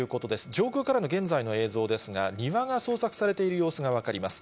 上空からの現在の映像ですが、庭が捜索されている様子が分かります。